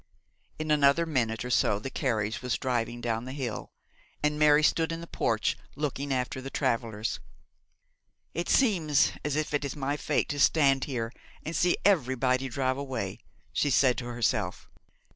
In another minute or so the carriage was driving down the hill; and Mary stood in the porch looking after the travellers. 'It seems as if it is my fate to stand here and see everybody drive away,' she said to herself.